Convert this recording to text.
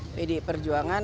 ada evaluasi dari dpp enggak